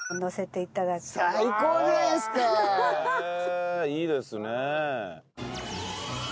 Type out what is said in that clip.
へえいいですね。